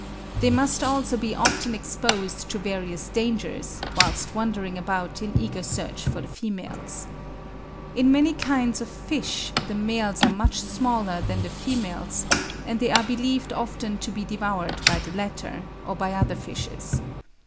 They must also be often exposed to various dangers, whilst wandering about in eager search for the females. In many kinds of fish the males are much smaller than the females, and they are believed often to be devoured by the latter, or by other fishes.